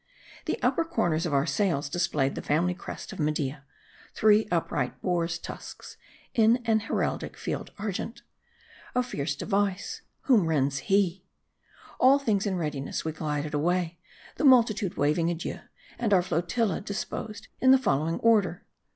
The upper corners of our sails displayed the family crest of Media ; three upright boars' tusks, in an heraldic field argent. A fierce device : Whom rends he ? All things in readiness, we glided away : the multitude waving adieu ; and our flotilla disposed in the following order.